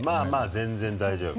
全然大丈夫。